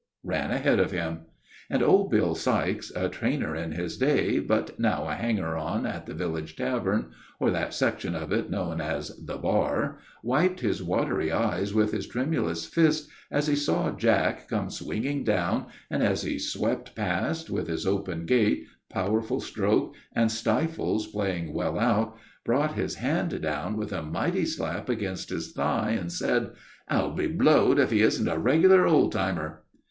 ran ahead of him, and old Bill Sykes, a trainer in his day, but now a hanger on at the village tavern, or that section of it known as the bar, wiped his watery eyes with his tremulous fist, as he saw Jack come swinging down, and, as he swept past with his open gait, powerful stroke, and stiffles playing well out, brought his hand with a mighty slap against his thigh, and said, "I'll be blowed if he isn't a regular old timer!"